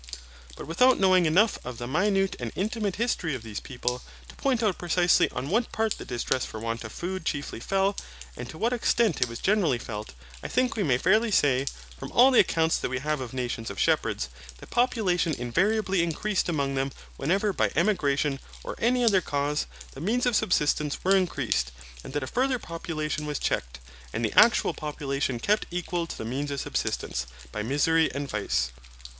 But without knowing enough of the minute and intimate history of these people, to point out precisely on what part the distress for want of food chiefly fell, and to what extent it was generally felt, I think we may fairly say, from all the accounts that we have of nations of shepherds, that population invariably increased among them whenever, by emigration or any other cause, the means of subsistence were increased, and that a further population was checked, and the actual population kept equal to the means of subsistence, by misery and vice.